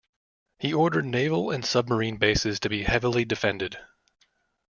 He ordered naval and submarine bases to be heavily defended.